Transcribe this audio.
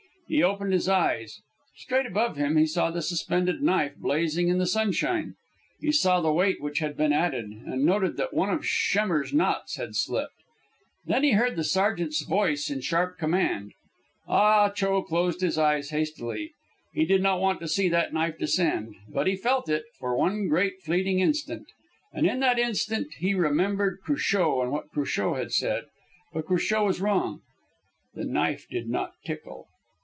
He opened his eyes. Straight above him he saw the suspended knife blazing in the sunshine. He saw the weight which had been added, and noted that one of Schemmer's knots had slipped. Then he heard the sergeant's voice in sharp command. Ah Cho closed his eyes hastily. He did not want to see that knife descend. But he felt it for one great fleeting instant. And in that instant he remembered Cruchot and what Cruchot had said. But Cruchot was wrong. The knife did not tickle.